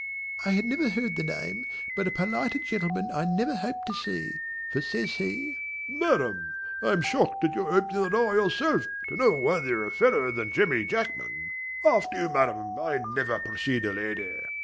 I had never heard the name but a politer gentleman I never hope to see, for says he, "Madam I am shocked at your opening the door yourself to no worthier a fellow than Jemmy Jackman. After you Madam. I never precede a lady."